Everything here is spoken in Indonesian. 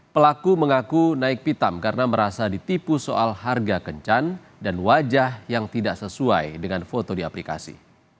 pelaku mengaku naik pitam karena merasa ditipu soal harga kencan dan wajah yang tidak sesuai dengan foto di aplikasi